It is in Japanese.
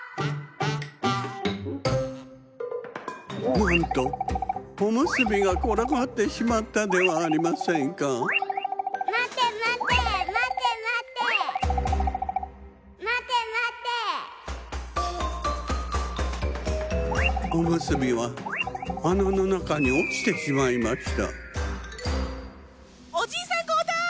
なんとおむすびがころがってしまったではありませんかおむすびはあなのなかにおちてしまいましたおじいさんこうたい！